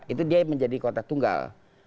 itu dia menjadi kota tunggal